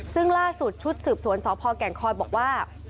ซึ่งล่าสุดชุดสืบสวนสพแก่งคอยบอกว่า